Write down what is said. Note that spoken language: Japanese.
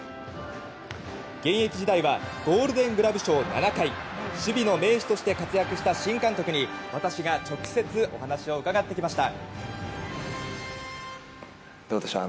現役時代はゴールデン・グラブ賞７回守備の名手として活躍した新監督に私が直接お話を伺ってきました。